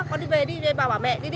con đi về đi bà bảo mẹ đi đi